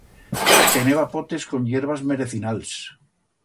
Teneba potes con hierbas merecinals.